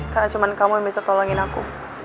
karena cuma kamu yang bisa tolongin aku